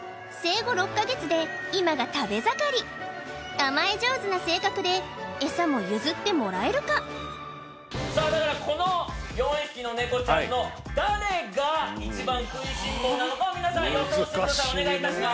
甘え上手な性格でエサも譲ってもらえるかさあだからこの４匹のネコちゃんの誰が一番食いしん坊なのかを皆さん予想してくださいお願いいたします